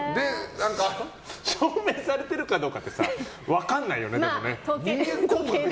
証明されてるかどうかって分かんないよね。